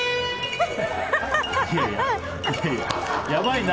いやいややばいな。